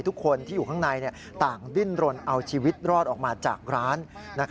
ทุกคนที่อยู่ข้างในต่างดิ้นรนเอาชีวิตรอดออกมาจากร้าน